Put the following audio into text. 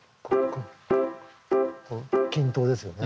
均等ですよね。